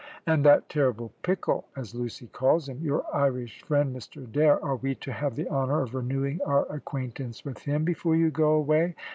"And that terrible pickle, as Lucy calls him, your Irish friend, Mr Adair, are we to have the honour of renewing our acquaintance with him before you go away?"